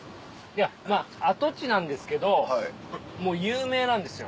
いやまぁ跡地なんですけどもう有名なんですよ。